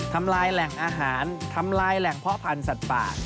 ทำลายแหล่งอาหารทำลายแหล่งเพาะพันธุ์สัตว์ป่า